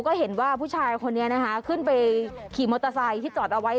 ก็เห็นว่าผู้ชายคนนี้นะคะขึ้นไปขี่มอเตอร์ไซค์ที่จอดเอาไว้